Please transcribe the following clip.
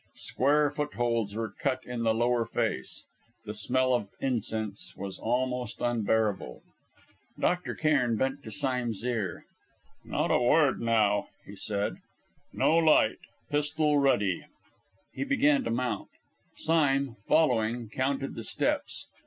Square foot holds were cut in the lower face. The smell of incense was almost unbearable. Dr. Cairn bent to Sime's ear. "Not a word, now," he said. "No light pistol ready!" He began to mount. Sime, following, counted the steps.